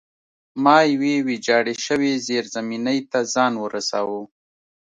ما یوې ویجاړې شوې زیرزمینۍ ته ځان ورساوه